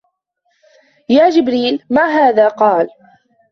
يَا جِبْرِيلُ مَا هَذَا قَالَ